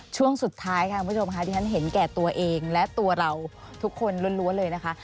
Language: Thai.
ช่วงสุดท้ายค่ะพวก๒๒๕๒๗๒ดิครันดิฉันเห็นแก่ตัวเองและตัวเราทุกคนล้วนเลยนะคะ